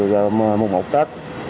tới mùng hai tết